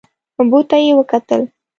اوبو ته یې وکتل.